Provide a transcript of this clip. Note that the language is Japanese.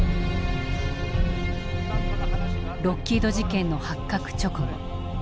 ロッキード事件の発覚直後